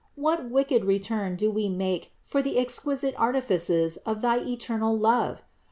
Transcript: What wicked return do we make for the exquisite artifices of thy eternal love!